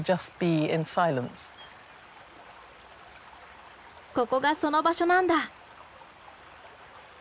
ここがその場所なんだ。